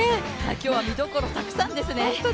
今日は見どころたくさんですね。